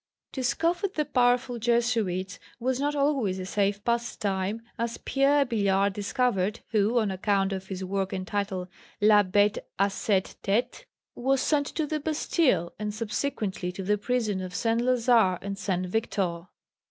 To scoff at the powerful Jesuits was not always a safe pastime, as Pierre Billard discovered, who, on account of his work entitled La Bête à sept têtes, was sent to the Bastille, and subsequently to the prisons of Saint Lazare and Saint Victor.